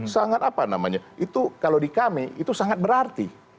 sangat apa namanya itu kalau di kami itu sangat berarti